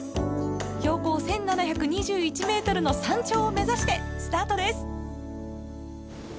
標高１，７２１ｍの山頂を目指してスタートです。